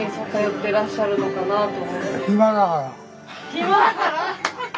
・暇だから？